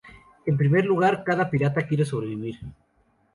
En primer lugar, cada pirata quiere sobrevivir.